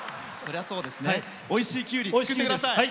おいしいきゅうり作ってください。